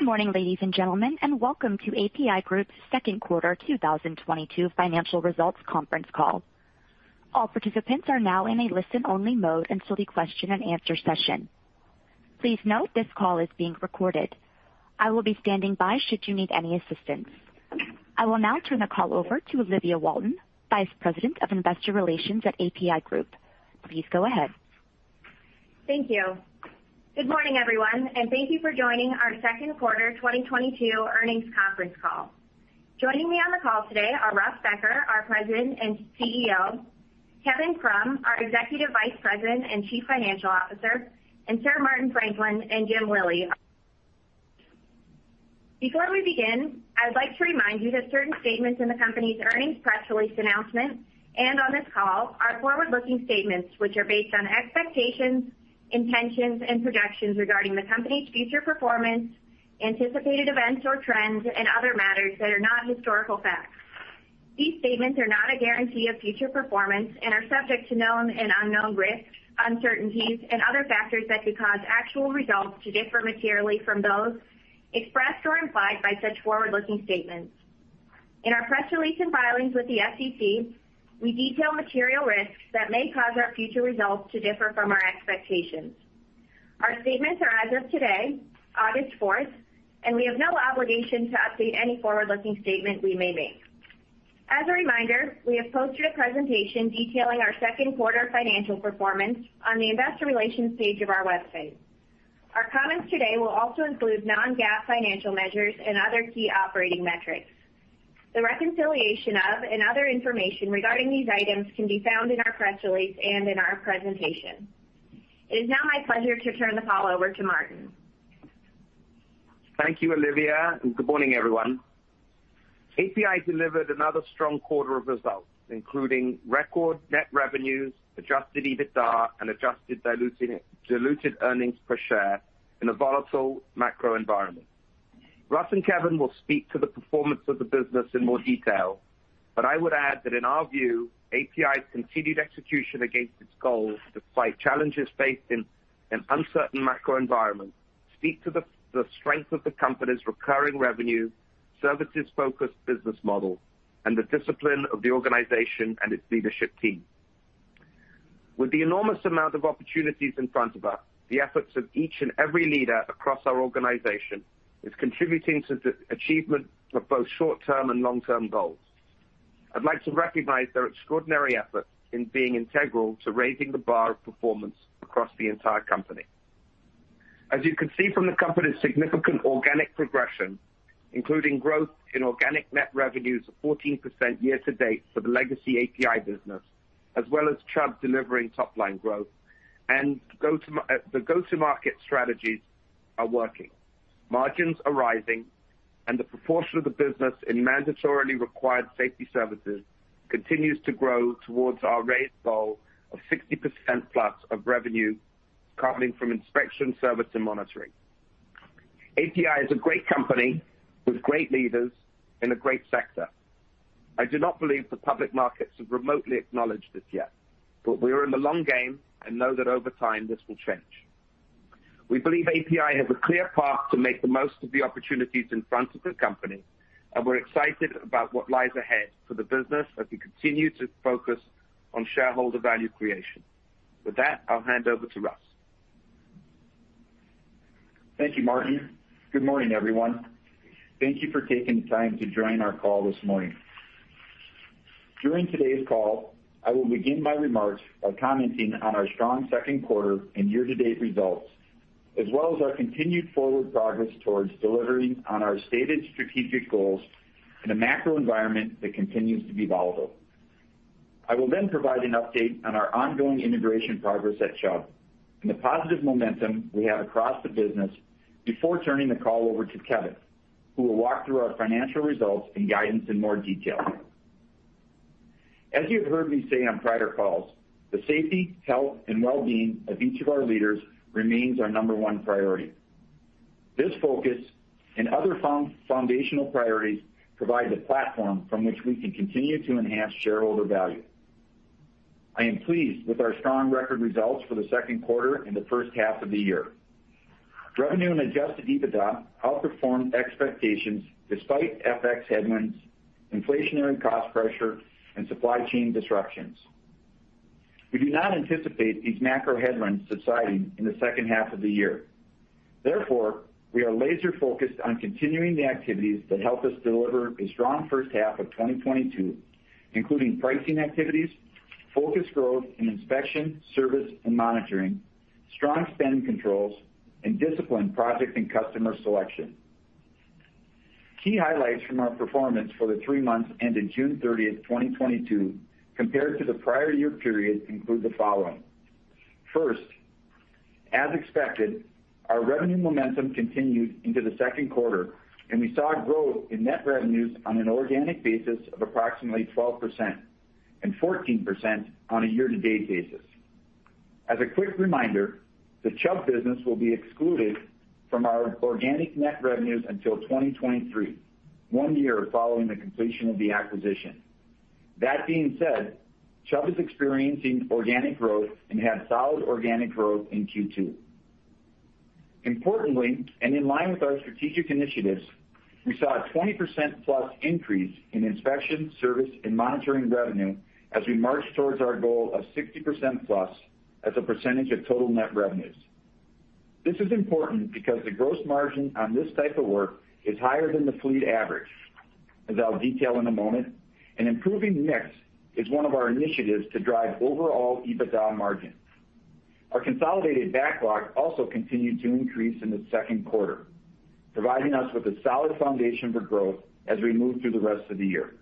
Good morning, ladies and gentlemen, and welcome to APi Group's second quarter 2022 financial results conference call. All participants are now in a listen-only mode until the question and answer session. Please note this call is being recorded. I will be standing by should you need any assistance. I will now turn the call over to Olivia Walton, Vice President of Investor Relations at APi Group. Please go ahead. Thank you. Good morning, everyone, and thank you for joining our second quarter 2022 earnings conference call. Joining me on the call today are Russ Becker, our President and Chief Executive Officer, Kevin Krumm, our Executive Vice President and Chief Financial Officer, and Sir Martin Franklin and James Lillie. Before we begin, I would like to remind you that certain statements in the company's earnings press release announcement and on this call are forward-looking statements which are based on expectations, intentions, and projections regarding the company's future performance, anticipated events or trends, and other matters that are not historical facts. These statements are not a guarantee of future performance and are subject to known and unknown risks, uncertainties, and other factors that could cause actual results to differ materially from those expressed or implied by such forward-looking statements. In our press release and filings with the SEC, we detail material risks that may cause our future results to differ from our expectations. Our statements are as of today, August 4th, and we have no obligation to update any forward-looking statement we may make. As a reminder we have posted a presentation detailing our second quarter financial performance on the investor relations page of our website. Our comments today will also include non-GAAP financial measures and other key operating metrics. The reconciliation of and other information regarding these items can be found in our press release and in our presentation. It is now my pleasure to turn the call over to Martin. Thank you, Olivia, and good morning, everyone. APi delivered another strong quarter of results, including record net revenues, adjusted EBITDA, and adjusted diluted earnings per share in a volatile macro environment. Russ and Kevin will speak to the performance of the business in more detail, but I would add that in our view, APi's continued execution against its goals despite challenges faced in an uncertain macro environment speak to the strength of the company's recurring revenue, services-focused business model, and the discipline of the organization and its leadership team. With the enormous amount of opportunities in front of us, the efforts of each and every leader across our organization is contributing to the achievement of both short-term and long-term goals. I'd like to recognize their extraordinary effort in being integral to raising the bar of performance across the entire company. As you can see from the company's significant organic progression, including growth in organic net revenues of 14% year to date for the legacy APi business, as well as Chubb delivering top-line growth and the go-to-market strategies are working. Margins are rising, and the proportion of the business in mandatorily required safety services continues to grow towards our raised goal of 60%+ of revenue coming from inspection service and monitoring. APi is a great company with great leaders in a great sector. I do not believe the public markets have remotely acknowledged this yet, but we are in the long game and know that over time this will change. We believe APi has a clear path to make the most of the opportunities in front of the company, and we're excited about what lies ahead for the business as we continue to focus on shareholder value creation. With that, I'll hand over to Russ. Thank you, Martin. Good morning, everyone. Thank you for taking the time to join our call this morning. During today's call, I will begin my remarks by commenting on our strong second quarter and year-to-date results, as well as our continued forward progress towards delivering on our stated strategic goals in a macro environment that continues to be volatile. I will then provide an update on our ongoing integration progress at Chubb and the positive momentum we have across the business before turning the call over to Kevin, who will walk through our financial results and guidance in more detail. As you have heard me say on prior calls, the safety, health, and well-being of each of our leaders remains our number one priority. This focus and other foundational priorities provide the platform from which we can continue to enhance shareholder value. I am pleased with our strong record results for the second quarter and the first half of the year. Revenue and adjusted EBITDA outperformed expectations despite FX headwinds, inflationary cost pressure, and supply chain disruptions. We do not anticipate these macro headwinds subsiding in the second half of the year. Therefore, we are laser-focused on continuing the activities that help us deliver a strong first half of 2022, including pricing activities, focused growth in inspection, service, and monitoring, strong spend controls, and disciplined project and customer selection. Key highlights from our performance for the three months ended June 30, 2022, compared to the prior year period include the following. First, as expected, our revenue momentum continued into the second quarter, and we saw growth in net revenues on an organic basis of approximately 12% and 14% on a year-to-date basis. As a quick reminder, the Chubb business will be excluded from our organic net revenues until 2023, one year following the completion of the acquisition. That being said, Chubb is experiencing organic growth and had solid organic growth in Q2. Importantly, and in line with our strategic initiatives, we saw a 20%+ increase in inspection service and monitoring revenue as we march towards our goal of 60%+ as a percentage of total net revenues. This is important because the gross margin on this type of work is higher than the fleet average, as I'll detail in a moment, and improving mix is one of our initiatives to drive overall EBITDA margins. Our consolidated backlog also continued to increase in the second quarter, providing us with a solid foundation for growth as we move through the rest of the year.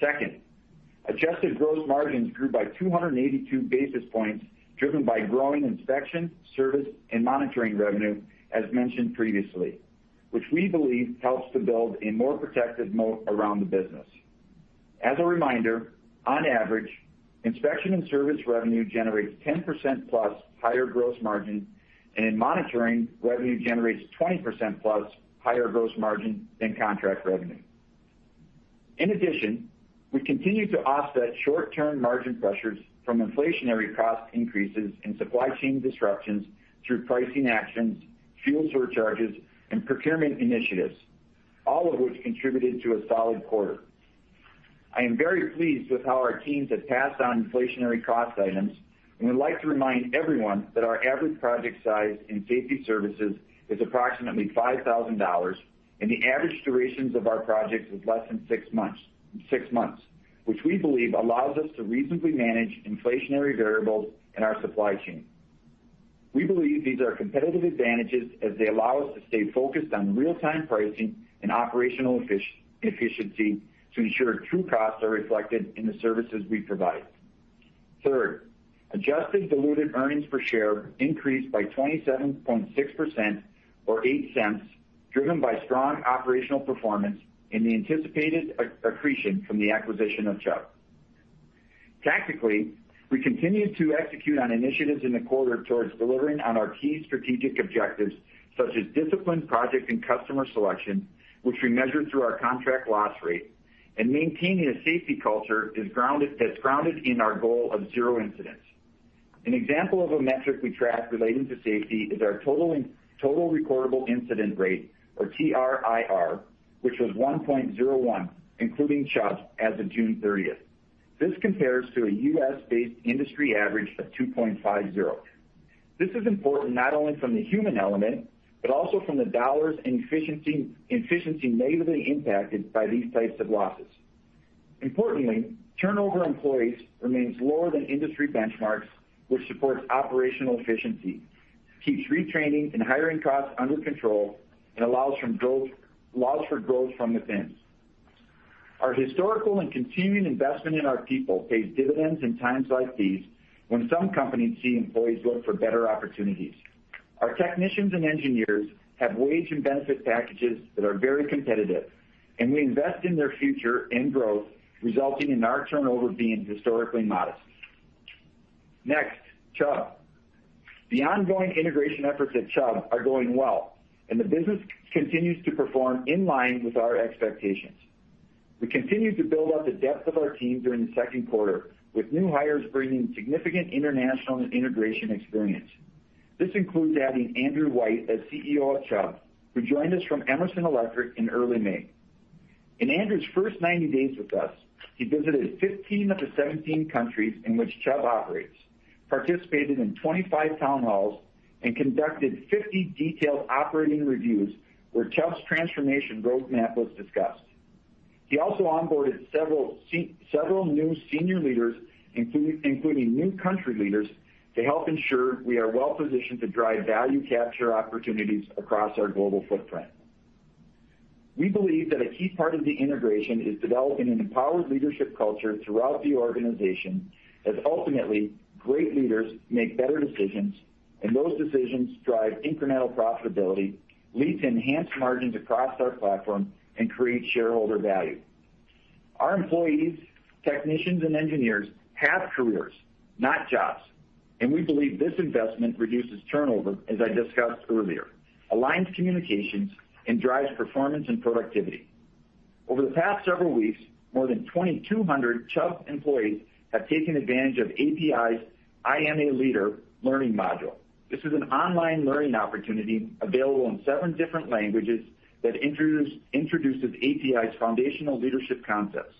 Second, adjusted gross margins grew by 282 basis points, driven by growing inspection, service and monitoring revenue, as mentioned previously, which we believe helps to build a more protected moat around the business. As a reminder, on average inspection and service revenue generates 10%+ higher gross margin, and monitoring revenue generates 20%+ higher gross margin than contract revenue. In addition, we continue to offset short-term margin pressures from inflationary cost increases and supply chain disruptions through pricing actions, fuel surcharges and procurement initiatives, all of which contributed to a solid quarter. I am very pleased with how our teams have passed on inflationary cost items, and we'd like to remind everyone that our average project size in Safety Services is approximately $5,000, and the average durations of our projects is less than six months, which we believe allows us to reasonably manage inflationary variables in our supply chain. We believe these are competitive advantages as they allow us to stay focused on real-time pricing and operational efficiency to ensure true costs are reflected in the services we provide. Third, adjusted diluted earnings per share increased by 27.6% or $0.08, driven by strong operational performance and the anticipated accretion from the acquisition of Chubb. Tactically, we continued to execute on initiatives in the quarter towards delivering on our key strategic objectives, such as disciplined project and customer selection, which we measure through our contract loss rate and maintaining a safety culture that's grounded in our goal of zero incidents. An example of a metric we track relating to safety is our total recordable incident rate, or TRIR, which was 1.01, including Chubb as of June 30. This compares to a U.S.-based industry average of 2.50. This is important not only from the human element, but also from the dollars and efficiency negatively impacted by these types of losses. Importantly, employee turnover remains lower than industry benchmarks, which supports operational efficiency, keeps retraining and hiring costs under control, and allows for growth from within. Our historical and continuing investment in our people pays dividends in times like these when some companies see employees look for better opportunities. Our technicians and engineers have wage and benefit packages that are very competitive, and we invest in their future and growth, resulting in our turnover being historically modest. Next, Chubb. The ongoing integration efforts at Chubb are going well, and the business continues to perform in line with our expectations. We continued to build out the depth of our team during the second quarter, with new hires bringing significant international and integration experience. This includes adding Andrew White as Chief Executive Officer of Chubb, who joined us from Emerson Electric in early May. In Andrew's first 90 days with us, he visited 15 of the 17 countries in which Chubb operates, participated in 25 town halls, and conducted 50 detailed operating reviews where Chubb's transformation roadmap was discussed. He also onboarded several new senior leaders, including new country leaders, to help ensure we are well positioned to drive value capture opportunities across our global footprint. We believe that a key part of the integration is developing an empowered leadership culture throughout the organization, as ultimately, great leaders make better decisions, and those decisions drive incremental profitability, lead to enhanced margins across our platform and create shareholder value. Our employees, technicians and engineers have careers, not jobs, and we believe this investment reduces turnover, as I discussed earlier, aligns communications and drives performance and productivity. Over the past several weeks, more than 2,200 Chubb employees have taken advantage of APi's I Am A Leader learning module. This is an online learning opportunity available in seven different languages that introduces APi's foundational leadership concepts.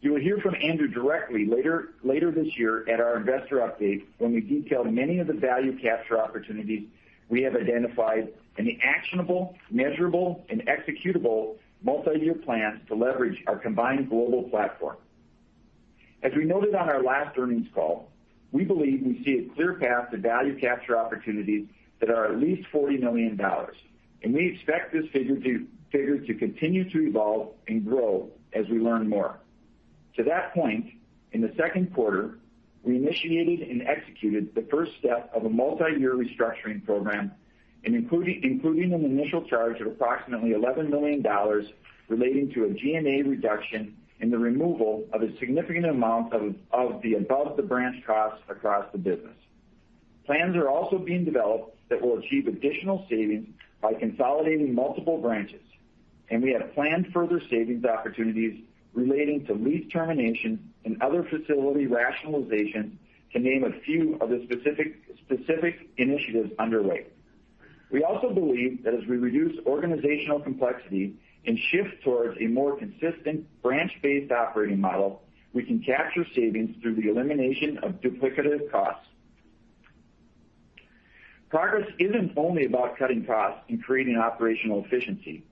You will hear from Andrew directly later this year at our investor update, when we detail many of the value capture opportunities we have identified and the actionable, measurable and executable multi-year plans to leverage our combined global platform. As we noted on our last earnings call, we believe we see a clear path to value capture opportunities that are at least $40 million, and we expect this figure to continue to evolve and grow as we learn more. To that point in the second quarter, we initiated and executed the first step of a multi-year restructuring program, and including an initial charge of approximately $11 million relating to a G&A reduction in the removal of a significant amount of the above the branch costs across the business. Plans are also being developed that will achieve additional savings by consolidating multiple branches, and we have planned further savings opportunities relating to lease termination and other facility rationalization to name a few of the specific initiatives underway. We also believe that as we reduce organizational complexity and shift towards a more consistent branch-based operating model, we can capture savings through the elimination of duplicative costs. Progress isn't only about cutting costs and creating operational efficiency.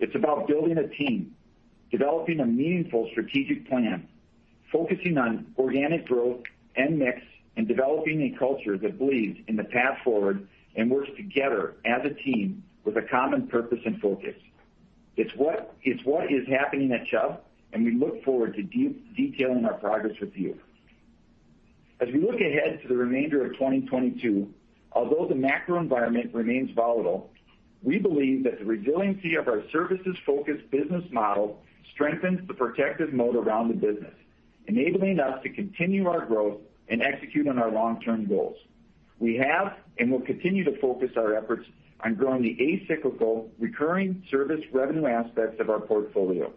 It's about building a team, developing a meaningful strategic plan, focusing on organic growth and mix, and developing a culture that believes in the path forward and works together as a team with a common purpose and focus. It's what is happening at Chubb, and we look forward to detailing our progress with you. As we look ahead to the remainder of 2022, although the macro environment remains volatile, we believe that the resiliency of our services-focused business model strengthens the protective moat around the business, enabling us to continue our growth and execute on our long-term goals. We have and will continue to focus our efforts on growing the essential recurring service revenue aspects of our portfolio.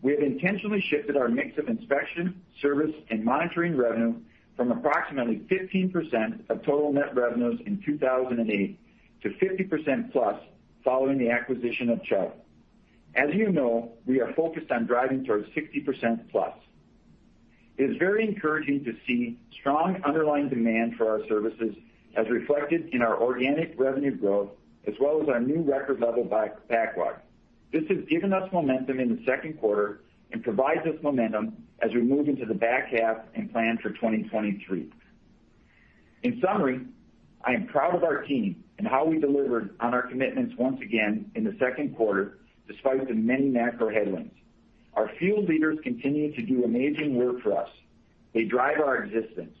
We have intentionally shifted our mix of inspection, service, and monitoring revenue from approximately 15% of total net revenues in 2008 to 50%+ following the acquisition of Chubb. As you know, we are focused on driving towards 60%+. It is very encouraging to see strong underlying demand for our services as reflected in our organic revenue growth as well as our new record level backlog. This has given us momentum in the second quarter and provides us momentum as we move into the back half and plan for 2023. In summary, I am proud of our team and how we delivered on our commitments once again in the second quarter despite the many macro headwinds. Our field leaders continue to do amazing work for us. They drive our existence.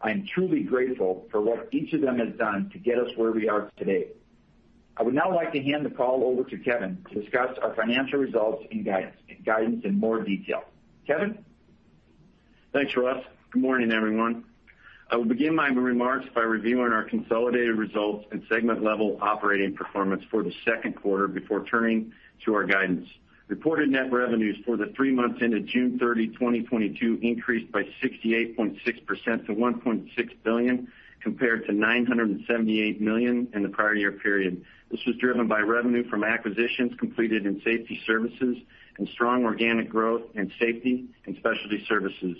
I am truly grateful for what each of them has done to get us where we are today. I would now like to hand the call over to Kevin to discuss our financial results and guidance in more detail. Kevin? Thanks, Russell. Good morning, everyone. I will begin my remarks by reviewing our consolidated results and segment-level operating performance for the second quarter before turning to our guidance. Reported net revenues for the three months ended June 30, 2022 increased by 68.6% to $1.6 billion, compared to $978 million in the prior year period. This was driven by revenue from acquisitions completed in Safety Services and strong organic growth in Safety and Specialty Services.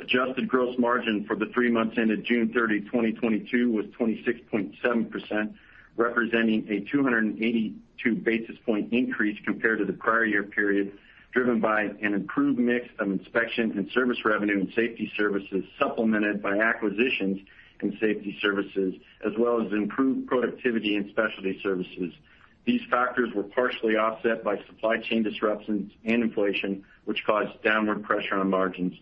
Adjusted gross margin for the three months ended June 30, 2022 was 26.7%, representing a 282 basis point increase compared to the prior year period, driven by an improved mix of inspection and service revenue and Safety Services, supplemented by acquisitions and Safety Services, as well as improved productivity and Specialty Services. These factors were partially offset by supply chain disruptions and inflation, which caused downward pressure on margins.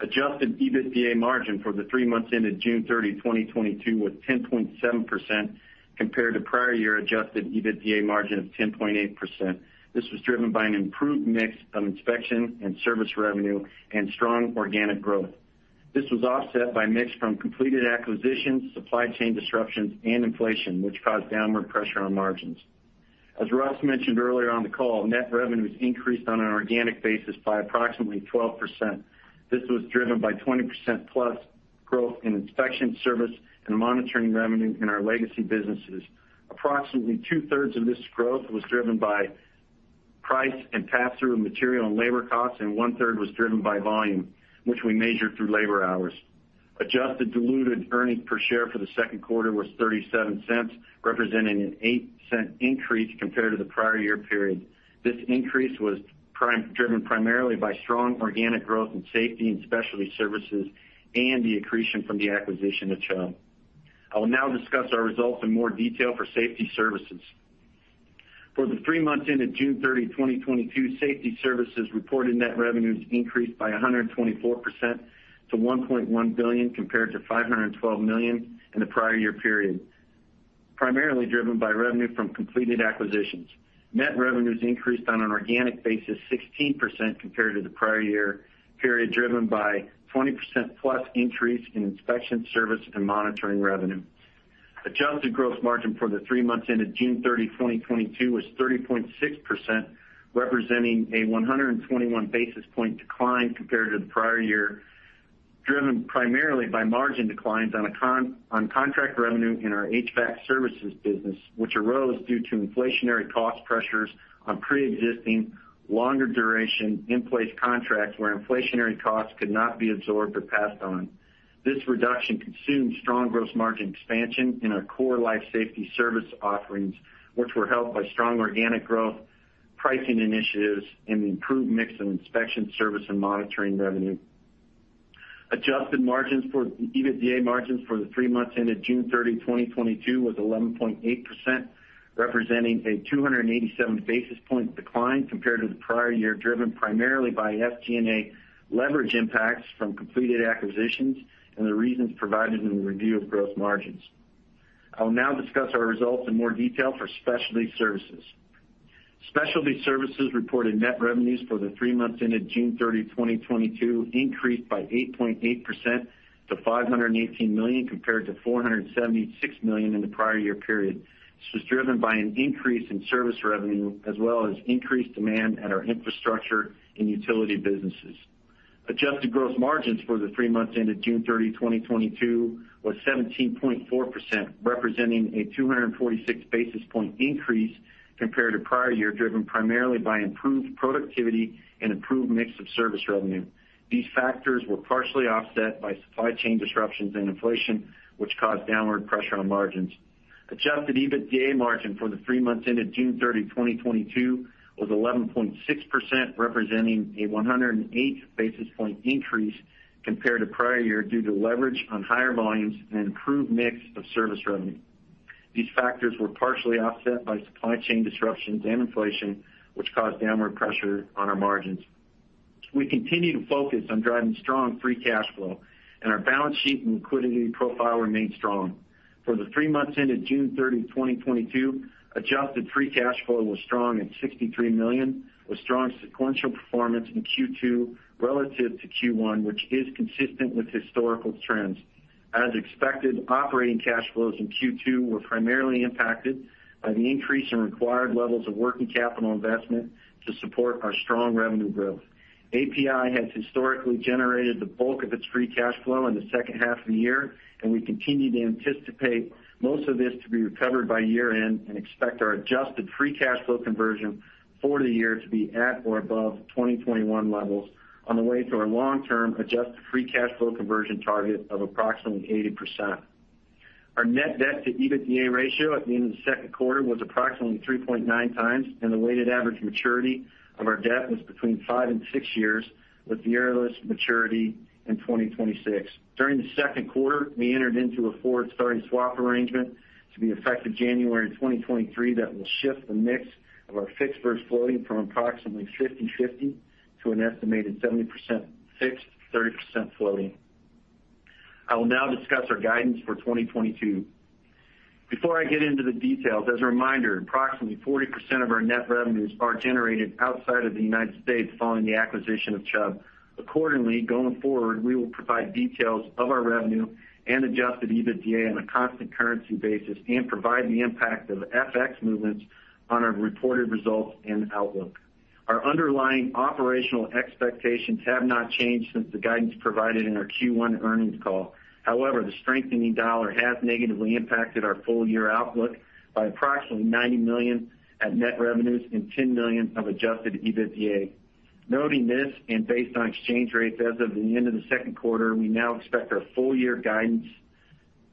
Adjusted EBITDA margin for the three months ended June 30, 2022 was 10.7% compared to prior year adjusted EBITDA margin of 10.8%. This was driven by an improved mix of inspection and service revenue and strong organic growth. This was offset by mix from completed acquisitions, supply chain disruptions, and inflation, which caused downward pressure on margins. As Russell mentioned earlier on the call, net revenues increased on an organic basis by approximately 12%. This was driven by 20%+ growth in inspection service and monitoring revenue in our legacy businesses. Approximately 2/3 of this growth was driven by price and pass-through of material and labor costs, and 1/3 was driven by volume, which we measured through labor hours. Adjusted diluted earnings per share for the second quarter was $0.37, representing an $0.08 increase compared to the prior year period. This increase was driven primarily by strong organic growth in Safety Services and Specialty Services and the accretion from the acquisition of Chubb. I will now discuss our results in more detail for Safety Services. For the three months ended June 30, 2022, Safety Services reported net revenues increased by 124% to $1.1 billion, compared to $512 million in the prior year period, primarily driven by revenue from completed acquisitions. Net revenues increased on an organic basis 16% compared to the prior year period, driven by 20%+ increase in inspection service and monitoring revenue. Adjusted gross margin for the three months ended June 30, 2022 was 30.6%, representing a 121 basis point decline compared to the prior year, driven primarily by margin declines on a construction contract revenue in our HVAC services business, which arose due to inflationary cost pressures on pre-existing longer duration in-place contracts where inflationary costs could not be absorbed or passed on. This reduction consumed strong gross margin expansion in our core life safety service offerings, which were helped by strong organic growth, pricing initiatives, and improved mix of inspection service and monitoring revenue. EBITDA margins for the three months ended June 30, 2022, was 11.8%, representing a 287 basis point decline compared to the prior year, driven primarily by SG&A leverage impacts from completed acquisitions and the reasons provided in the review of gross margins. I will now discuss our results in more detail for Specialty Services. Specialty Services reported net revenues for the three months ended June 30, 2022, increased by 8.8% to $518 million compared to $476 million in the prior year period. This was driven by an increase in service revenue as well as increased demand at our infrastructure and utility businesses. Adjusted gross margins for the three months ended June 30, 2022 was 17.4%, representing a 246 basis point increase compared to prior year driven primarily by improved productivity and improved mix of service revenue. These factors were partially offset by supply chain disruptions and inflation, which caused downward pressure on margins. Adjusted EBITDA margin for the three months ended June 30, 2022 was 11.6%, representing a 108 basis point increase compared to prior year due to leverage on higher volumes and improved mix of service revenue. These factors were partially offset by supply chain disruptions and inflation, which caused downward pressure on our margins. We continue to focus on driving strong free cash flow and our balance sheet and liquidity profile remain strong. For the three months ended June 30, 2022, adjusted free cash flow was strong at $63 million, with strong sequential performance in Q2 relative to Q1, which is consistent with historical trends. As expected, operating cash flows in Q2 were primarily impacted by the increase in required levels of working capital investment to support our strong revenue growth. APi has historically generated the bulk of its free cash flow in the second half of the year, and we continue to anticipate most of this to be recovered by year-end and expect our adjusted free cash flow conversion for the year to be at or above 2021 levels on the way to our long-term adjusted free cash flow conversion target of approximately 80%. Our net debt to EBITDA ratio at the end of the second quarter was approximately 3.9x, and the weighted average maturity of our debt was between five and six years, with the earliest maturity in 2026. During the second quarter, we entered into a forward starting swap arrangement to be effective January 2023 that will shift the mix of our fixed versus floating from approximately 50/50 to an estimated 70% fixed, 30% floating. I will now discuss our guidance for 2022. Before I get into the details, as a reminder, approximately 40% of our net revenues are generated outside of the United States following the acquisition of Chubb. Accordingly, going forward, we will provide details of our revenue and adjusted EBITDA on a constant currency basis and provide the impact of FX movements on our reported results and outlook. Our underlying operational expectations have not changed since the guidance provided in our Q1 earnings call. However, the strengthening dollar has negatively impacted our full year outlook by approximately $90 million in net revenues and $10 million of adjusted EBITDA. Noting this and based on exchange rates as of the end of the second quarter, we now expect our full year guidance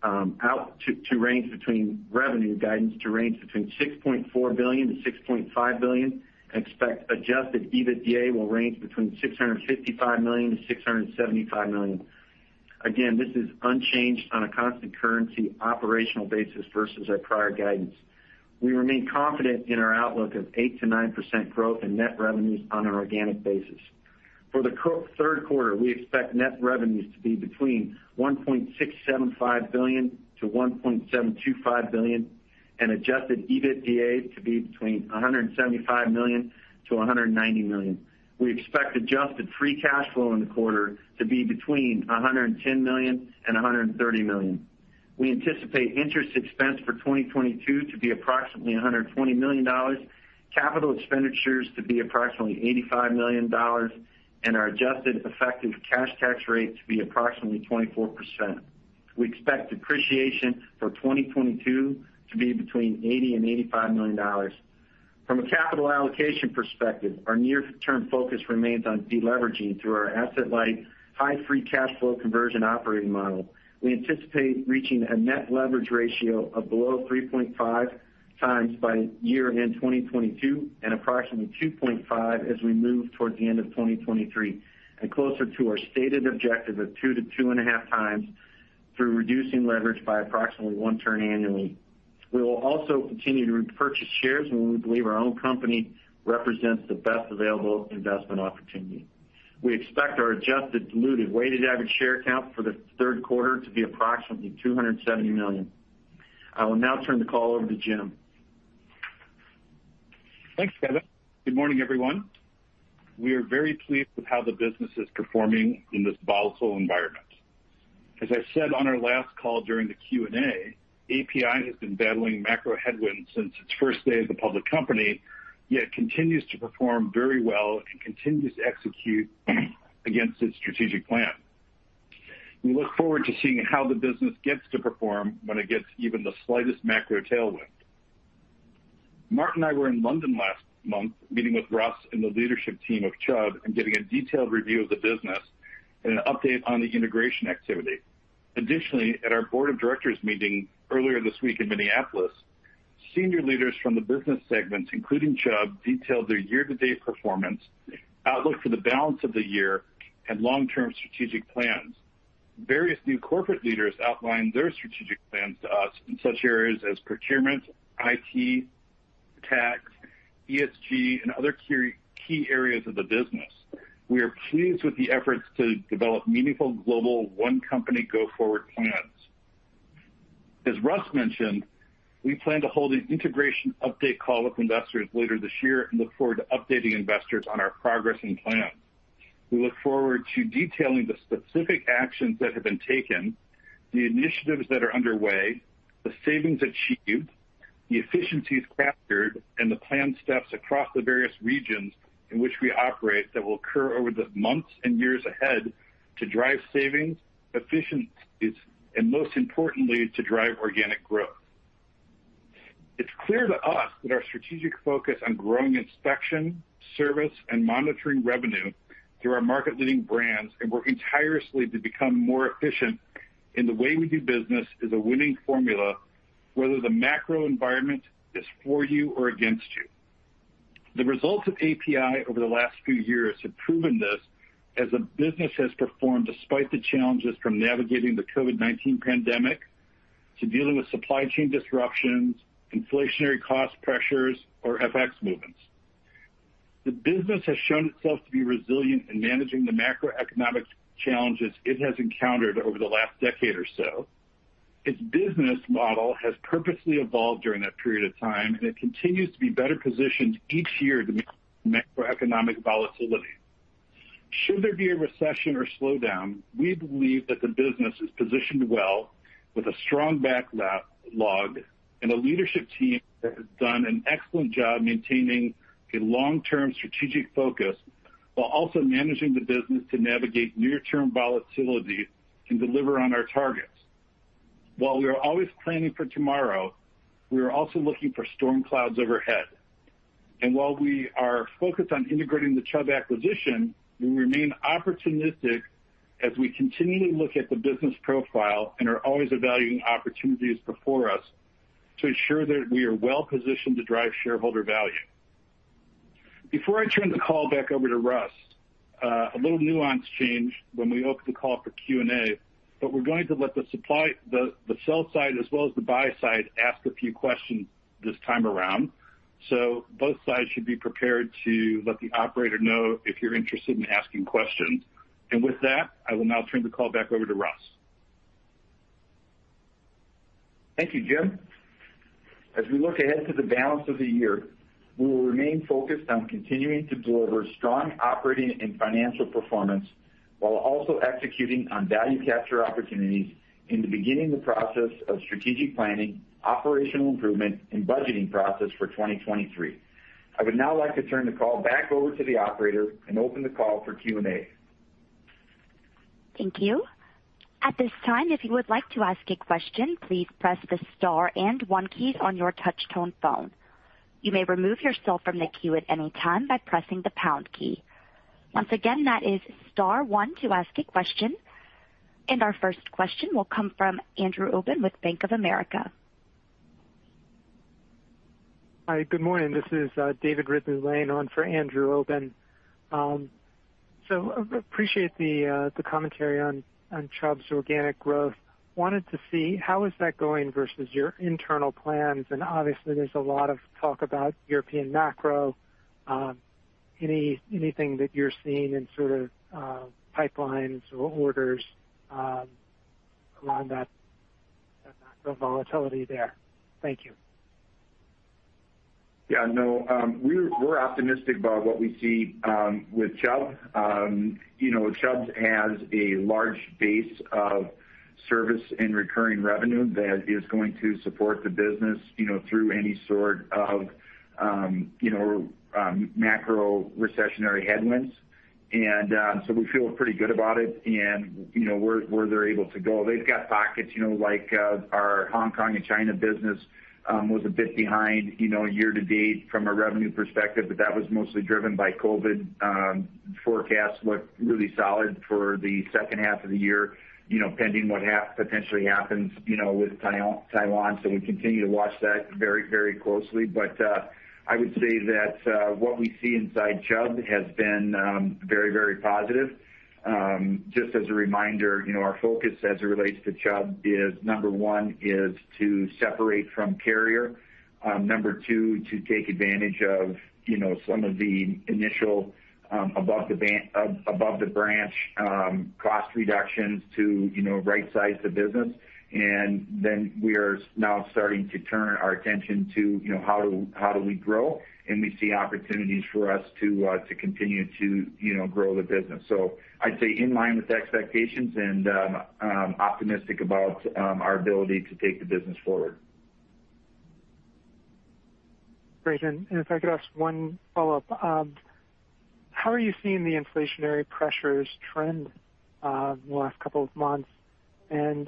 to range between $6.4 billion-$6.5 billion and expect adjusted EBITDA will range between $655 million-$675 million. Again, this is unchanged on a constant currency operational basis versus our prior guidance. We remain confident in our outlook of 8%-9% growth in net revenues on an organic basis. For the third quarter, we expect net revenues to be between $1.675 billion-$1.725 billion and adjusted EBITDA to be between $175 million-$190 million. We expect adjusted free cash flow in the quarter to be between $110 million and $130 million. We anticipate interest expense for 2022 to be approximately $120 million, capital expenditures to be approximately $85 million and our adjusted effective cash tax rate to be approximately 24%. We expect depreciation for 2022 to be between $80 million-$85 million. From a capital allocation perspective, our near-term focus remains on de-leveraging through our asset-light, high free cash flow conversion operating model. We anticipate reaching a net leverage ratio of below 3.5x by year-end 2022 and approximately 2.5 as we move towards the end of 2023 and closer to our stated objective of 2x-2.5x through reducing leverage by approximately one turn annually. We will also continue to repurchase shares when we believe our own company represents the best available investment opportunity. We expect our adjusted diluted weighted average share count for the third quarter to be approximately 270 million. I will now turn the call over to James. Thanks, Kevin. Good morning, everyone. We are very pleased with how the business is performing in this volatile environment. As I said on our last call during the Q&A, APi has been battling macro headwinds since its first day as a public company, yet continues to perform very well and continues to execute against its strategic plan. We look forward to seeing how the business gets to perform when it gets even the slightest macro tailwind. Mark and I were in London last month meeting with Russell and the leadership team of Chubb and getting a detailed review of the business and an update on the integration activity. Additionally, at our board of directors meeting earlier this week in Minneapolis, senior leaders from the business segments, including Chubb, detailed their year-to-date performance, outlook for the balance of the year, and long-term strategic plans. Various new corporate leaders outlined their strategic plans to us in such areas as procurement, IT, tax, ESG, and other key areas of the business. We are pleased with the efforts to develop meaningful global one-company go-forward plans. As Russ mentioned, we plan to hold an integration update call with investors later this year and look forward to updating investors on our progress and plans. We look forward to detailing the specific actions that have been taken, the initiatives that are underway, the savings achieved, the efficiencies captured, and the planned steps across the various regions in which we operate that will occur over the months and years ahead to drive savings, efficiencies, and most importantly, to drive organic growth. It's clear to us that our strategic focus on growing inspection, service, and monitoring revenue through our market-leading brands and work tirelessly to become more efficient in the way we do business is a winning formula, whether the macro environment is for you or against you. The results of APi over the last few years have proven this as the business has performed despite the challenges from navigating the COVID-19 pandemic to dealing with supply chain disruptions, inflationary cost pressures, or FX movements. The business has shown itself to be resilient in managing the macroeconomic challenges it has encountered over the last decade or so. Its business model has purposely evolved during that period of time, and it continues to be better positioned each year to macroeconomic volatility. Should there be a recession or slowdown, we believe that the business is positioned well with a strong backlog and a leadership team that has done an excellent job maintaining a long-term strategic focus while also managing the business to navigate near-term volatility and deliver on our targets. While we are always planning for tomorrow, we are also looking for storm clouds overhead. While we are focused on integrating the Chubb acquisition, we remain opportunistic as we continually look at the business profile and are always evaluating opportunities before us to ensure that we are well-positioned to drive shareholder value. Before I turn the call back over to Russell, a little nuance change when we open the call for Q&A, but we're going to let the sell side as well as the buy side ask a few questions this time around. Both sides should be prepared to let the operator know if you're interested in asking questions. With that, I will now turn the call back over to Russell. Thank you, James. As we look ahead to the balance of the year, we will remain focused on continuing to deliver strong operating and financial performance while also executing on value capture opportunities in the beginning, the process of strategic planning, operational improvement, and budgeting process for 2023. I would now like to turn the call back over to the operator and open the call for Q&A. Thank you. At this time, if you would like to ask a question, please press the star and one key on your touch tone phone. You may remove yourself from the queue at any time by pressing the pound key. Once again, that is star one to ask a question. Our first question will come from Andrew Obin with Bank of America. Hi. Good morning. This is David Ridley-Lane standing in for Andrew Obin. Appreciate the commentary on Chubb's organic growth. Wanted to see how is that going versus your internal plans. Obviously there's a lot of talk about European macro. Anything that you're seeing in sort of pipelines or orders around that macro volatility there? Thank you. Yeah, no. We're optimistic about what we see with Chubb. You know, Chubb has a large base of service and recurring revenue that is going to support the business through any sort of macro recessionary headwinds. We feel pretty good about it and where they're able to go. They've got pockets, you know, like our Hong Kong and China business was a bit behind year to date from a revenue perspective, but that was mostly driven by COVID. Forecasts look really solid for the second half of the year pending what potentially happens with Taiwan. We continue to watch that very closely. I would say that what we see inside Chubb has been very positive. Just as a reminder you know, our focus as it relates to Chubb is number one is to separate from Carrier. Number two, to take advantage of, you know, some of the initial, above the branch cost reductions to, you know right-size the business. Then we are now starting to turn our attention to you know how do we grow? We see opportunities for us to continue to, you know grow the business. I'd say in line with expectations and optimistic about our ability to take the business forward. Great. If I could ask one follow-up. How are you seeing the inflationary pressures trend in the last couple of months? You know,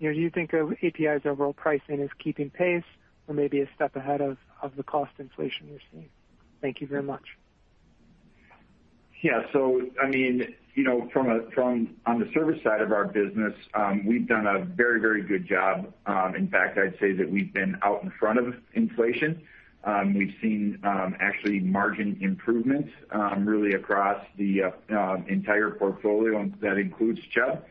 do you think of APi's overall pricing is keeping pace or maybe a step ahead of the cost inflation you're seeing? Thank you very much. I mean, you know, on the service side of our business, we've done a very good job. In fact, I'd say that we've been out in front of inflation. We've seen actually margin improvements really across the entire portfolio, and that includes Chubb.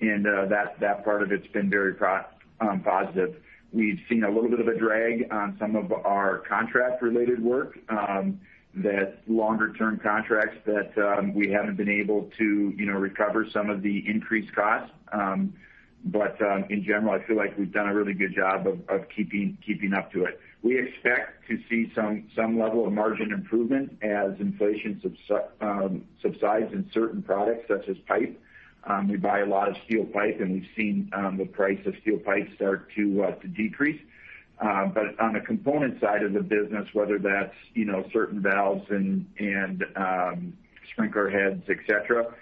That part of it's been very positive. We've seen a little bit of a drag on some of our contract-related work, that longer term contracts that we haven't been able to, you know, recover some of the increased costs. In general, I feel like we've done a really good job of keeping up to it. We expect to see some level of margin improvement as inflation subsides in certain products such as pipe. We buy a lot of steel pipe, and we've seen the price of steel pipe start to decrease. But on the component side of the business, whether that's, you know, certain valves and sprinkler heads, etc.,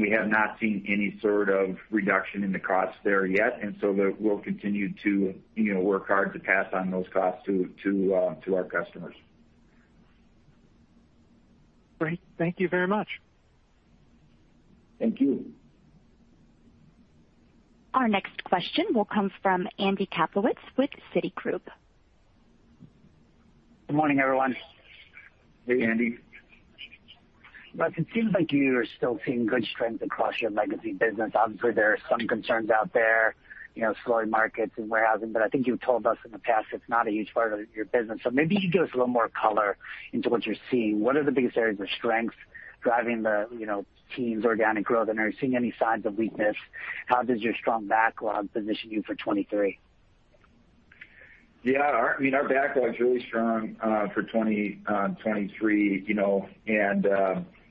we have not seen any sort of reduction in the costs there yet. We'll continue to, you know, work hard to pass on those costs to our customers. Great. Thank you very much. Thank you. Our next question will come from Andrew Kaplowitz with Citigroup. Good morning, everyone. Hey, Andrew. Russell, it seems like you are still seeing good strength across your legacy business. Obviously, there are some concerns out there, you know, slowing markets and warehousing, but I think you've told us in the past, it's not a huge part of your business. Maybe you could give us a little more color into what you're seeing. What are the biggest areas of strength driving the, you know team's organic growth? And are you seeing any signs of weakness? How does your strong backlog position you for 2023? Yeah. Our backlog is really strong for 2023, you know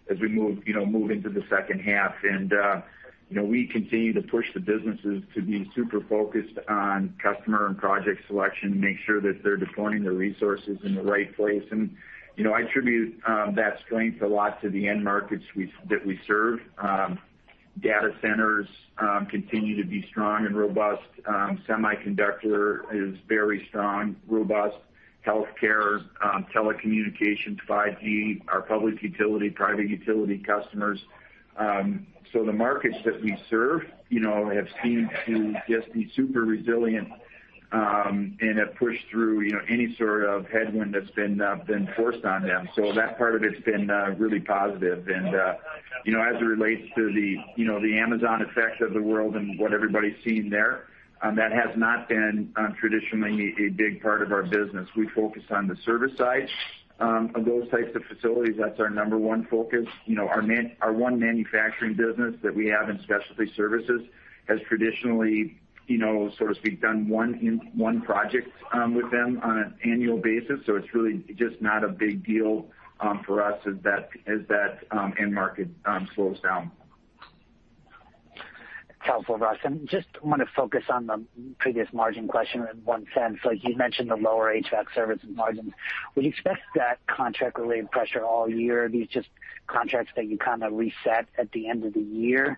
as we move into the second half. We continue to push the businesses to be super focused on customer and project selection to make sure that they're deploying the resources in the right place. I attribute that strength a lot to the end markets that we serve. Data Centers continue to be strong and robust. Semiconductor is very strong, robust. Healthcare, telecommunications, 5G, our public utility, private utility customers. The markets that we serve, you know, have seemed to just be super resilient and have pushed through any sort of headwind that's been forced on them. That part of it's been really positive. You know, as it relates to the you know the Amazon effect of the world and what everybody's seen there, that has not been traditionally a big part of our business. We focus on the service side of those types of facilities. That's our number one focus. You know, our one manufacturing business that we have in Specialty Services has traditionally, you know, so to speak, done one project with them on an annual basis. So it's really just not a big deal for us as that end market slows down. Helpful, Russell. Just wanna focus on the previous margin question in one sense. Like you mentioned, the lower HVAC services margins. Would you expect that contract-related pressure all year, these just contracts that you kinda reset at the end of the year?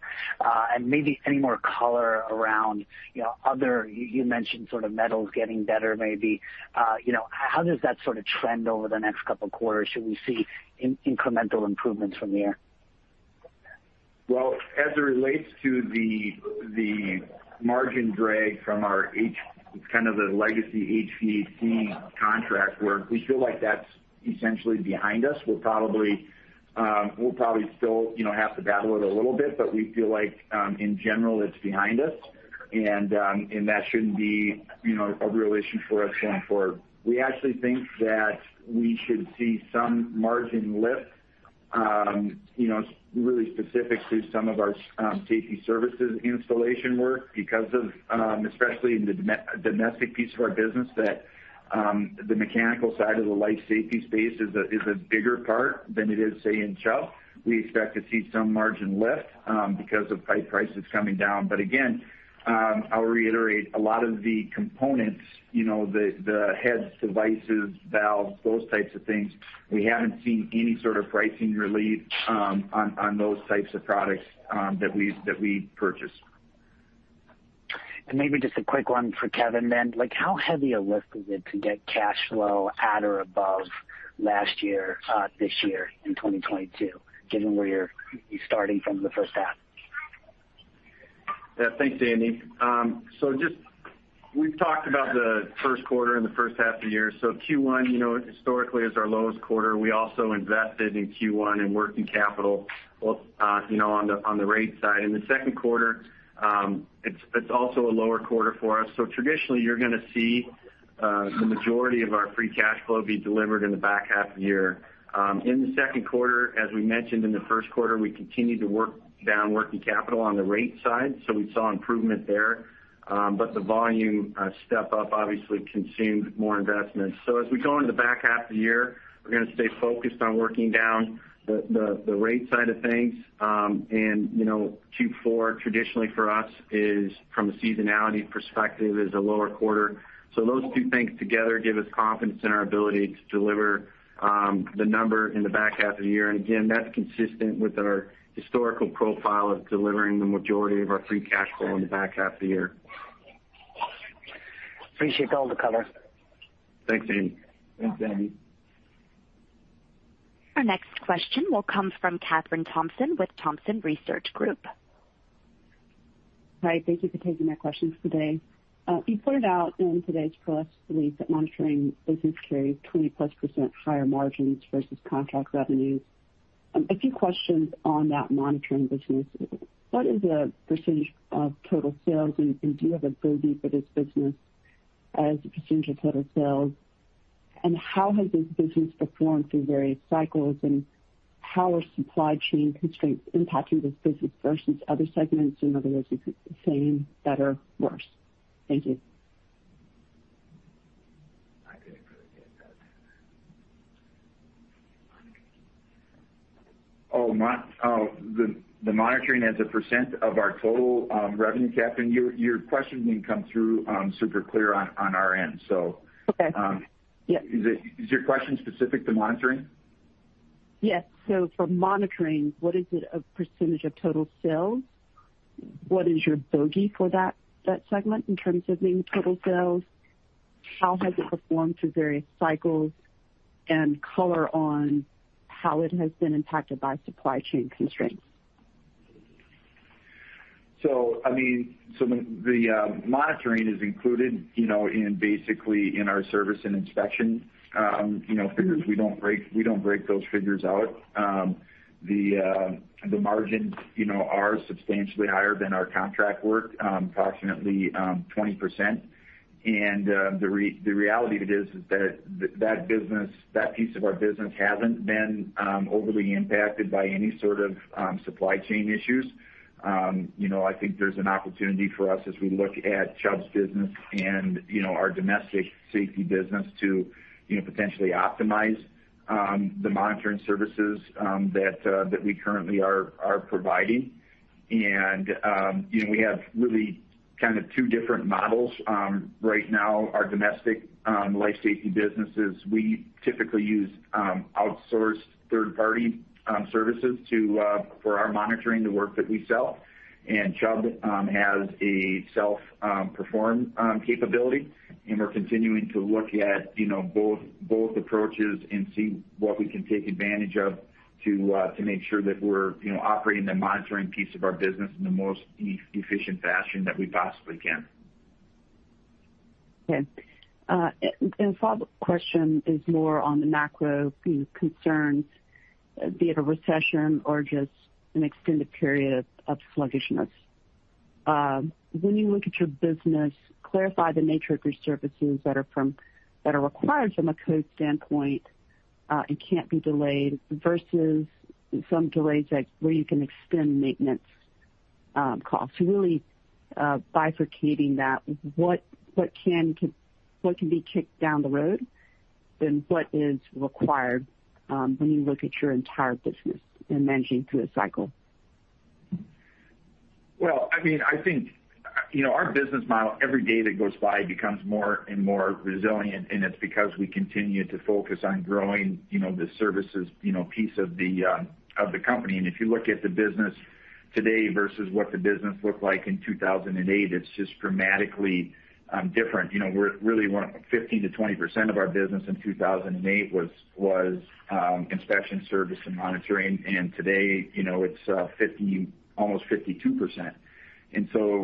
Maybe any more color around, you know, other. You mentioned sort of metals getting better, maybe. You know, how does that sorta trend over the next couple quarters? Should we see incremental improvements from there? Well, as it relates to the margin drag from our legacy HVAC contract, we feel like that's essentially behind us. We'll probably still you know have to battle it a little bit, but we feel like in general, it's behind us. That shouldn't be, you know, a real issue for us going forward. We actually think that we should see some margin lift, you know, really specific to some of our Safety Services installation work because of especially in the domestic piece of our business that the mechanical side of the life safety space is a bigger part than it is say in Chubb. We expect to see some margin lift because of pipe prices coming down. Again, I'll reiterate a lot of the components, you know, the heads, devices, valves, those types of things, we haven't seen any sort of pricing relief on those types of products that we purchase. Maybe just a quick one for Kevin then. Like how heavy a lift is it to get cash flow at or above last year, this year in 2022, given where you're starting from the first half? Yeah. Thanks, Andrew. We've talked about the first quarter and the first half of the year. Q1, you know, historically is our lowest quarter. We also invested in Q1 in working capital, both, you know, on the rate side. In the second quarter, it's also a lower quarter for us. Traditionally, you're gonna see the majority of our free cash flow be delivered in the back half of the year. In the second quarter, as we mentioned in the first quarter, we continued to work down working capital on the rate side, so we saw improvement there. The volume step up obviously consumed more investments. As we go into the back half of the year, we're gonna stay focused on working down the rate side of things. You know, Q4 traditionally for us is from a seasonality perspective a lower quarter. Those two things together give us confidence in our ability to deliver the number in the back half of the year. Again, that's consistent with our historical profile of delivering the majority of our free cash flow in the back half of the year. Appreciate all the color. Thanks, Andrew. Thanks, Andrew. Our next question will come from Kathryn Thompson with Thompson Research Group. Hi, thank you for taking my questions today. You pointed out in today's press release that monitoring business carries 20%+ higher margins versus contract revenues. A few questions on that monitoring business. What is the percentage of total sales, and do you have a bogey for this business as a percentage of total sales? How has this business performed through various cycles, and how are supply chain constraints impacting this business versus other segments? In other words, is it the same, better, worse? Thank you. I didn't really get that. Oh, the monitoring as a percent of our total revenue, Kathryn? Your question didn't come through super clear on our end, so. Okay. Yeah. Is your question specific to monitoring? Yes. For monitoring, what is it a percentage of total sales? What is your bogey for that segment in terms of meeting total sales? How has it performed through various cycles? Color on how it has been impacted by supply chain constraints. I mean, the monitoring is included you know in basically in our service and inspection you know figures. We don't break those figures out. The margins, you know, are substantially higher than our contract work, approximately 20%. The reality of it is that business, that piece of our business hasn't been overly impacted by any sort of supply chain issues. You know, I think there's an opportunity for us as we look at Chubb's business and, you know, our domestic safety business to, you know potentially optimize the monitoring services that we currently are providing. You know, we have really kind of two different models. Right now, our domestic life safety businesses, we typically use outsourced third-party services for our monitoring the work that we sell. Chubb has a self-perform capability, and we're continuing to look at both approaches and see what we can take advantage of to make sure that we're you know operating the monitoring piece of our business in the most efficient fashion that we possibly can. Okay. And follow-up question is more on the macro, you know, concerns, be it a recession or just an extended period of sluggishness. When you look at your business, clarify the nature of your services that are required from a code standpoint, and can't be delayed versus some delays like where you can extend maintenance costs. Really, bifurcating that what can be kicked down the road and what is required when you look at your entire business and managing through a cycle? Well I mean I think you know, our business model every day that goes by becomes more and more resilient, and it's because we continue to focus on growing you know the services you know, piece of the company. If you look at the business today versus what the business looked like in 2008, it's just dramatically different. You know, we're really 15%-20% of our business in 2008 was inspection service and monitoring. Today, you know, it's 50, almost 52%.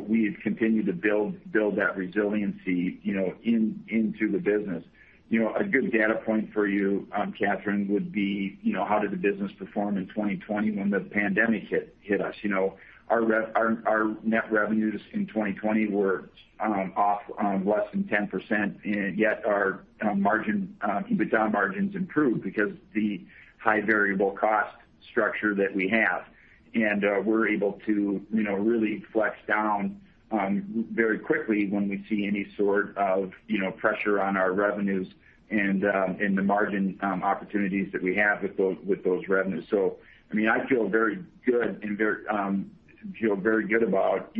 We've continued to build that resiliency, you know, into the business. You know, a good data point for you, Kathryn, would be, you know, how did the business perform in 2020 when the pandemic hit us? You know, our net revenues in 2020 were off less than 10%, and yet our EBITDA margins improved because the high variable cost structure that we have. We're able to, you know, really flex down very quickly when we see any sort of you know pressure on our revenues and the margin opportunities that we have with those revenues. I mean, I feel very good about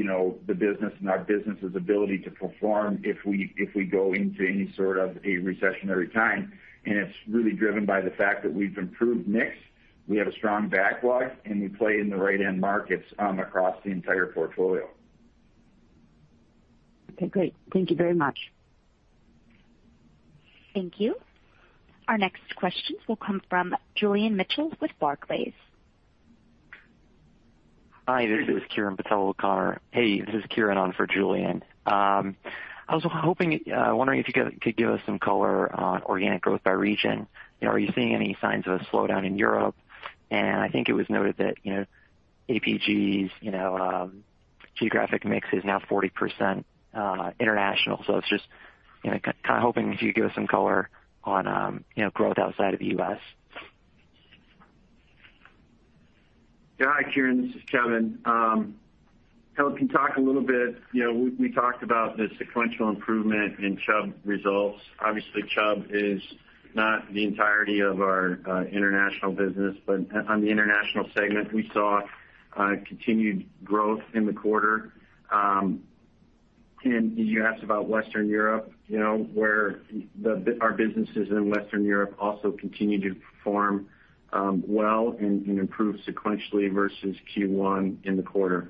the business and our business's ability to perform if we go into any sort of a recessionary time. It's really driven by the fact that we've improved mix, we have a strong backlog, and we play in the right end markets across the entire portfolio. Okay, great. Thank you very much. Thank you. Our next question will come from Julian Mitchell with Barclays. Hi, this is Kiran Patel-O'Connor. Hey, this is Kiran on for Julian. I was hoping, wondering if you could give us some color on organic growth by region. You know, are you seeing any signs of a slowdown in Europe? I think it was noted that, you know, APi Group's, you know, geographic mix is now 40% international. It's just, you know, kind of hoping if you could give us some color on, you know, growth outside of the U.S. Yeah Hi, Kiran, this is Kevin. Can talk a little bit you know we talked about the sequential improvement in Chubb results. Obviously, Chubb is not the entirety of our international business, but on the international segment we saw continued growth in the quarter. You asked about Western Europe, you know where our businesses in Western Europe also continue to perform well and improve sequentially versus Q1 in the quarter.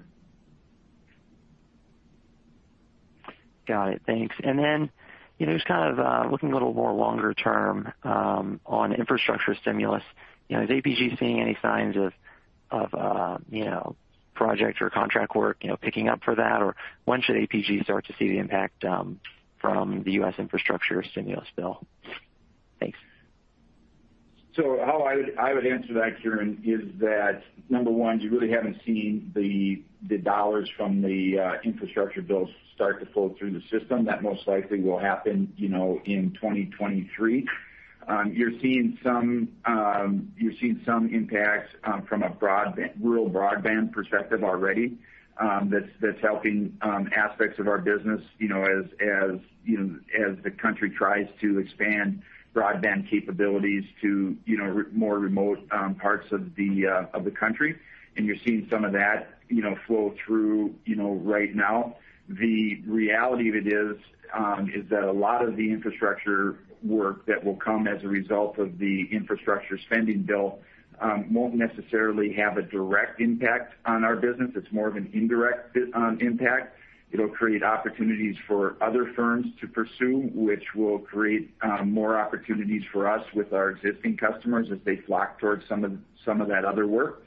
Got it. Thanks. Then, you know just kind of looking a little more longer term on infrastructure stimulus, you know, is APi seeing any signs of, you know, project or contract work, you know, picking up for that? Or when should APi start to see the impact, from the U.S. infrastructure stimulus bill? Thanks. How I would answer that, Kiran, is that number one, you really haven't seen the dollars from the infrastructure bills start to flow through the system. That most likely will happen, you know, in 2023. You're seeing some impacts from a rural broadband perspective already, that's helping aspects of our business, you know, as the country tries to expand broadband capabilities to, you know, more remote parts of the country. You're seeing some of that, you know, flow through, you know, right now. The reality of it is that a lot of the infrastructure work that will come as a result of the infrastructure spending bill won't necessarily have a direct impact on our business. It's more of an indirect impact. It'll create opportunities for other firms to pursue, which will create more opportunities for us with our existing customers as they flock towards some of that other work.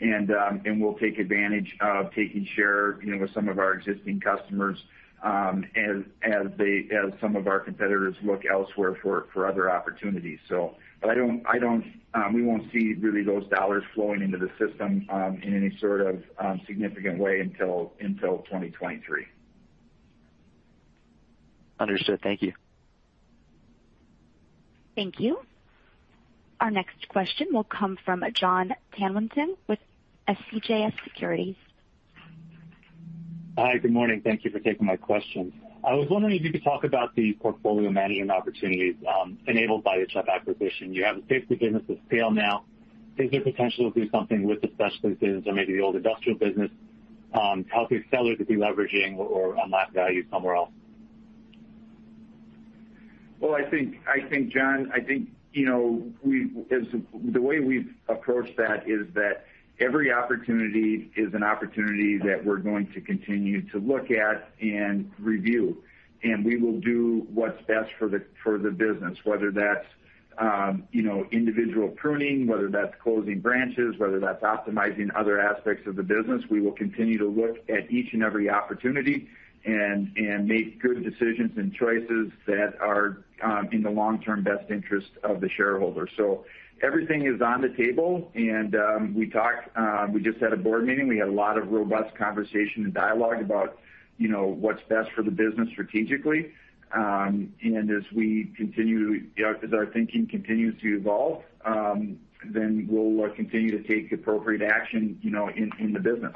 We'll take advantage of taking share, you know, with some of our existing customers as some of our competitors look elsewhere for other opportunities. But I don't we won't see really those dollars flowing into the system in any sort of significant way until 2023. Understood. Thank you. Thank you. Our next question will come from Jon Tanwanteng with CJS Securities. Hi. Good morning. Thank you for taking my question. I was wondering if you could talk about the portfolio management opportunities enabled by the Chubb acquisition. You have a safety business with scale now. Is there potential to do something with the specialty business or maybe the old industrial business? How could synergies be leveraged or value unlocked somewhere else? I think Jon, you know, as the way we've approached that is that every opportunity is an opportunity that we're going to continue to look at and review. We will do what's best for the business, whether that's you know, individual pruning, whether that's closing branches, whether that's optimizing other aspects of the business. We will continue to look at each and every opportunity and make good decisions and choices that are in the long term best interest of the shareholder. Everything is on the table, and we talked, we just had a board meeting. We had a lot of robust conversation and dialogue about, you know, what's best for the business strategically. As our thinking continues to evolve, then we'll continue to take appropriate action, you know, in the business.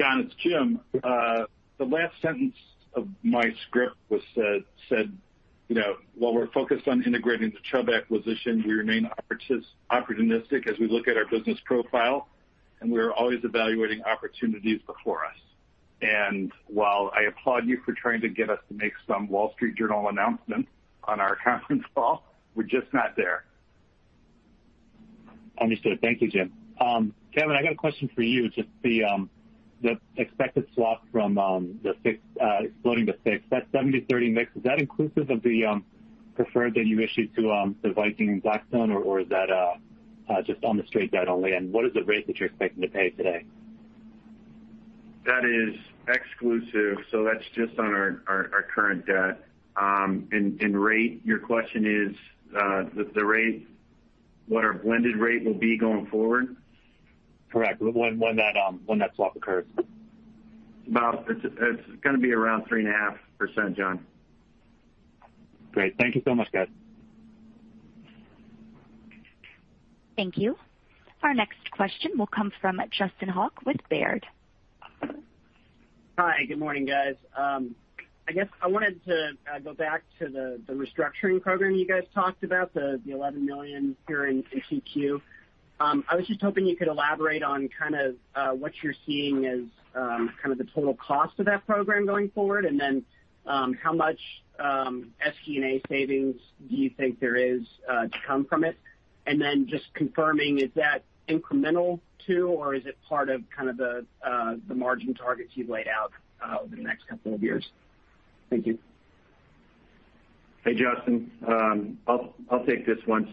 Jon, it's James. The last sentence of my script was said, you know, while we're focused on integrating the Chubb acquisition, we remain opportunistic as we look at our business profile, and we are always evaluating opportunities before us. While I applaud you for trying to get us to make some Wall Street Journal announcement on our conference call, we're just not there. Understood. Thank you, James. Kevin, I got a question for you. Just the expected swap from the fixed to the floating, that 70/30 mix, is that inclusive of the preferred that you issued to the Viking and Blackstone, or is that just on the straight debt only? And what is the rate that you're expecting to pay today? That is exclusive, so that's just on our current debt. Your question is the rate, what our blended rate will be going forward? Correct. When that swap occurs. It's gonna be around 3.5%, Jon. Great. Thank you so much, guys. Thank you. Our next question will come from Justin Hauke with Baird. Hi. Good morning, guys. I guess I wanted to go back to the restructuring program you guys talked about, the $11 million here in 2Q. I was just hoping you could elaborate on kind of what you're seeing as kind of the total cost of that program going forward, and then how much SG&A savings do you think there is to come from it? Then just confirming, is that incremental too or is it part of kind of the margin targets you've laid out over the next couple of years? Thank you. Hey, Justin. I'll take this one.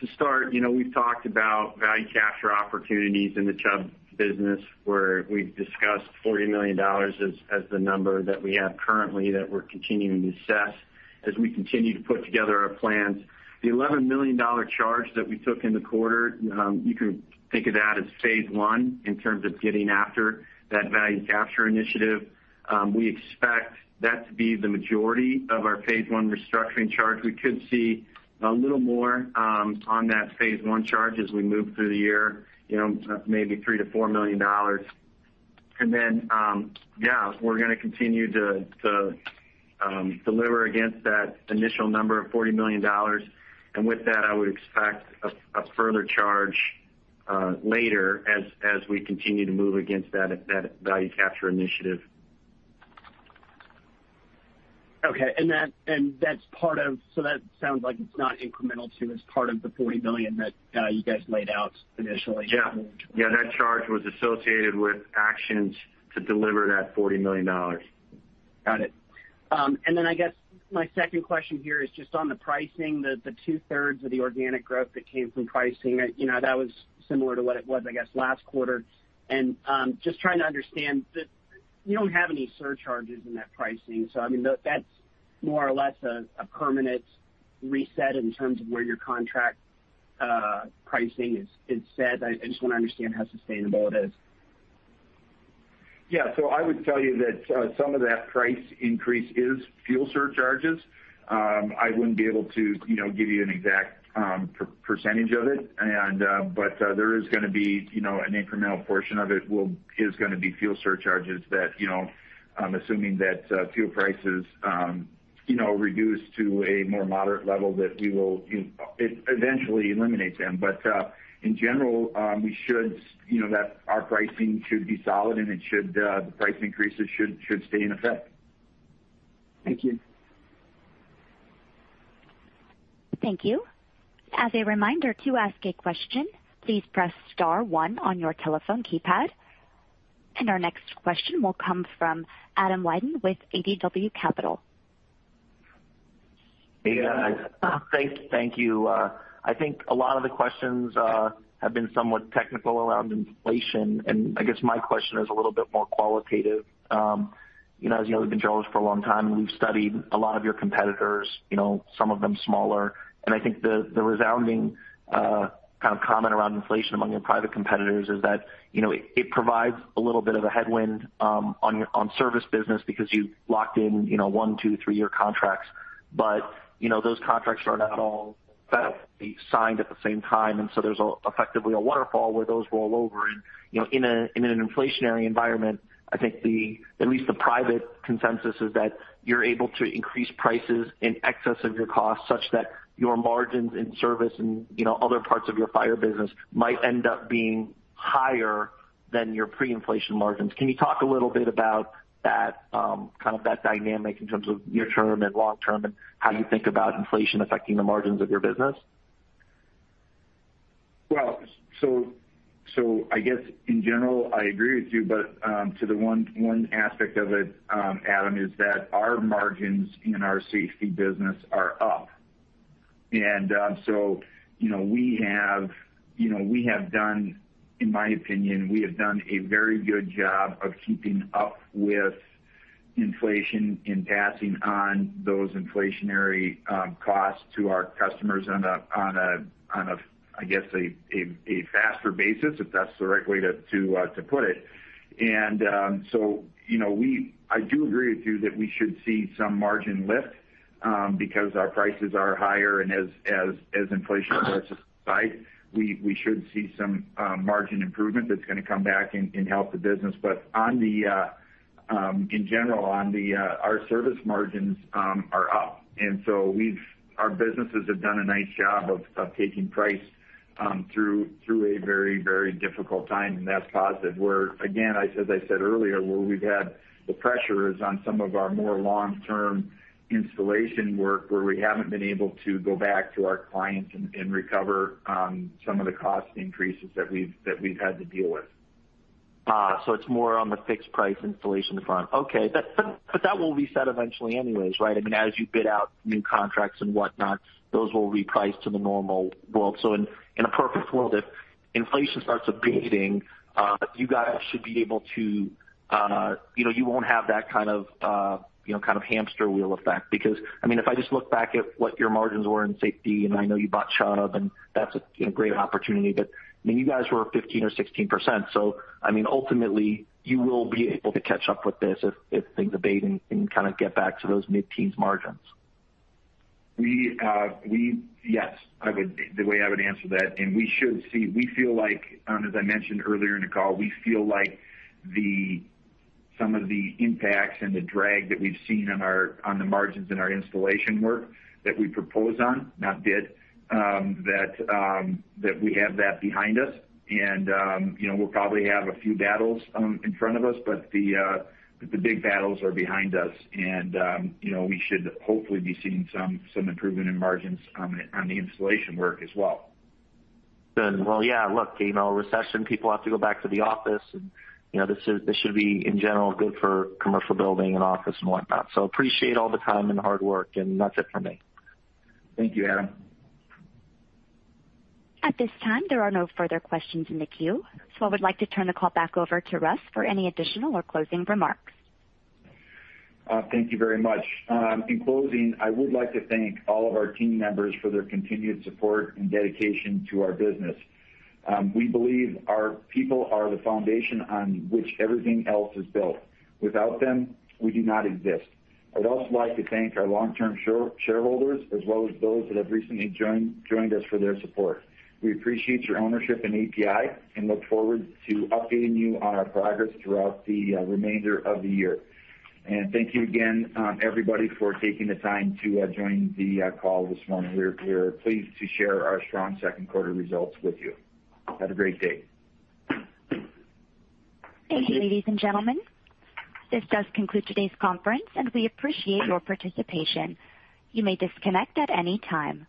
To start, you know, we've talked about value capture opportunities in the Chubb business, where we've discussed $40 million as the number that we have currently that we're continuing to assess as we continue to put together our plans. The $11 million charge that we took in the quarter, you can think of that as phase one in terms of getting after that value capture initiative. We expect that to be the majority of our phase one restructuring charge. We could see a little more on that phase one charge as we move through the year, you know, maybe $3 million-$4 million. Then, yeah, we're gonna continue to deliver against that initial number of $40 million. With that, I would expect a further charge later as we continue to move against that value capture initiative. Okay. That sounds like it's not incremental to as part of the $40 million that you guys laid out initially. Yeah. Yeah, that charge was associated with actions to deliver that $40 million. Got it. Then I guess my second question here is just on the pricing, the 2/3 of the organic growth that came from pricing. You know, that was similar to what it was, I guess, last quarter. Just trying to understand. You don't have any surcharges in that pricing. So I mean, that's more or less a permanent reset in terms of where your contract pricing is set. I just wanna understand how sustainable it is. Yeah. I would tell you that some of that price increase is fuel surcharges. I wouldn't be able to, you know, give you an exact percentage of it and, but there is gonna be, you know, an incremental portion of it is gonna be fuel surcharges that, you know, assuming that fuel prices, you know, reduce to a more moderate level that we will, you know, it eventually eliminates them. But in general, we should, you know, that our pricing should be solid and it should, the price increases should stay in effect. Thank you. Thank you. As a reminder, to ask a question, please press star one on your telephone keypad. Our next question will come from Adam Wyden with ADW Capital. Hey guys. Thank you. I think a lot of the questions have been somewhat technical around inflation, and I guess my question is a little bit more qualitative. You know, as you know, we've been generalists for a long time, and we've studied a lot of your competitors you know, some of them smaller. I think the resounding kind of comment around inflation among your private competitors is that, you know, it provides a little bit of a headwind on your service business because you locked in, you know, one, two, three-years contracts. You know, those contracts are not all necessarily signed at the same time, and so there's effectively a waterfall where those roll over. You know, in an inflationary environment, I think the at least the private consensus is that you're able to increase prices in excess of your costs such that your margins in service and, you know, other parts of your fire business might end up being higher than your pre-inflation margins. Can you talk a little bit about that kind of that dynamic in terms of near term and long term, and how you think about inflation affecting the margins of your business? I guess in general, I agree with you, but to the one aspect of it, Adam, is that our margins in our safety business are up. You know we have done in my opinion a very good job of keeping up with inflation and passing on those inflationary costs to our customers on a I guess a faster basis if that's the right way to put it. You know, I do agree with you that we should see some margin lift because our prices are higher, and as inflation starts to slide we should see some margin improvement that's gonna come back and help the business. In general, our service margins are up. Our businesses have done a nice job of taking price through a very difficult time, and that's positive. Where again, I said earlier where we've had the pressures on some of our more long-term installation work where we haven't been able to go back to our clients and recover some of the cost increases that we've had to deal with. It's more on the fixed price installation front. Okay. That will reset eventually anyways, right? I mean, as you bid out new contracts and whatnot, those will reprice to the normal world. In a perfect world if inflation starts abating you guys should be able to you know, you won't have that kind of you know, kind of hamster wheel effect. Because, I mean, if I just look back at what your margins were in safety, and I know you bought Chubb, and that's a you know, great opportunity, but I mean, you guys were at 15% or 16%. So I mean, ultimately you will be able to catch up with this if things abate and kind of get back to those mid-teens margins. Yes, I would. The way I would answer that we feel like as I mentioned earlier in the call, we feel like some of the impacts and the drag that we've seen on the margins in our installation work that we propose on, not bid, that we have that behind us. You know we'll probably have a few battles in front of us, but the big battles are behind us and, you know we should hopefully be seeing some improvement in margins on the installation work as well. Well yeah look you know, recession people have to go back to the office and, you know, this is, this should be in general good for commercial building and office and whatnot. Appreciate all the time and hard work, and that's it for me. Thank you, Adam. At this time, there are no further questions in the queue. I would like to turn the call back over to Russell Becker for any additional or closing remarks. Thank you very much. In closing, I would like to thank all of our team members for their continued support and dedication to our business. We believe our people are the foundation on which everything else is built. Without them, we do not exist. I'd also like to thank our long-term shareholders as well as those that have recently joined us for their support. We appreciate your ownership in APi and look forward to updating you on our progress throughout the remainder of the year. Thank you again, everybody, for taking the time to join the call this morning. We're pleased to share our strong second quarter results with you. Have a great day. Thank you, ladies and gentlemen. This does conclude today's conference, and we appreciate your participation. You may disconnect at any time.